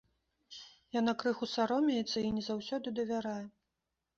Яна крыху саромеецца і не заўсёды давярае.